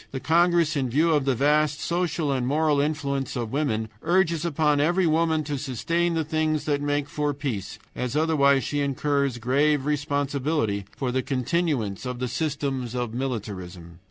The congress, in view of the vast social and moral influence of woman, urges upon every woman to sustain the things that make for peace, as otherwise she incurs grave responsibility for the continuance of the systems of militarism.